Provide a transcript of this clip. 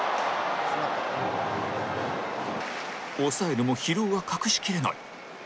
抑えるも疲労は隠し切れない